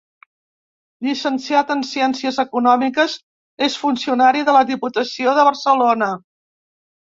Llicenciat en ciències econòmiques, és funcionari de la Diputació de Barcelona.